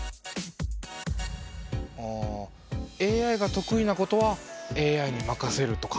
ああＡＩが得意なことはＡＩに任せるとか？